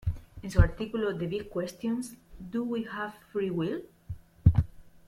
En su artículo "The Big Questions: Do we have free will?